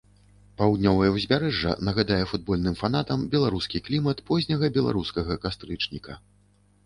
Паўднёвае ўзбярэжжа нагадае футбольным фанатам беларускі клімат позняга беларускага кастрычніка.